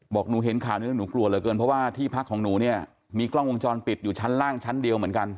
บอกหนูเห็นข่าวนี้แล้วหนูกลัวเหลือเกินเพราะว่าที่พักของหนูเนี่ยมีกล้องวงจรปิดอยู่ชั้นล่างชั้นเดียวเหมือนกัน